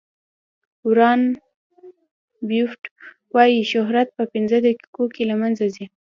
وارن بوفیټ وایي شهرت په پنځه دقیقو کې له منځه ځي.